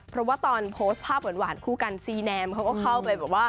เพราะว่าตอนโพสต์ภาพหวานคู่กันซีแนมเขาก็เข้าไปแบบว่า